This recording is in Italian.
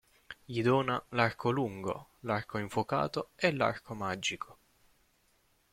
Gli dona "l'Arco lungo", "l'Arco infuocato e" "l'Arco magico".